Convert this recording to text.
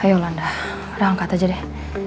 ayo landa udah angkat aja deh